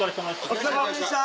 お疲れさまでした！